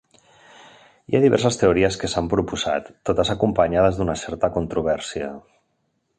Hi ha diverses teories que s'han proposat, totes acompanyades d'una certa controvèrsia.